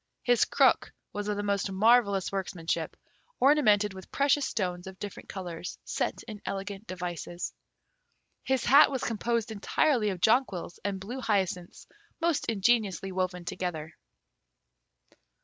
His crook was of the most marvellous workmanship, ornamented with precious stones of different colours set in elegant devices. His hat was composed entirely of jonquils and blue hyacinths most ingeniously woven together.